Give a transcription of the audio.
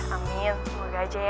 amin semoga aja ya